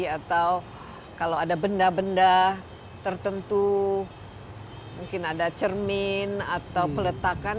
atau kalau ada benda benda tertentu mungkin ada cermin atau peletakan